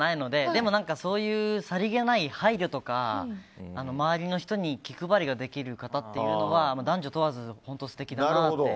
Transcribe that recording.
でも、そういうさりげない配慮とか周りの人に気配りができる方というのは男女問わず本当、素敵だなって。